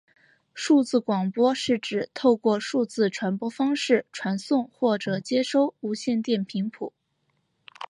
数字广播是指透过数字传播方式传送或者接收无线电频谱。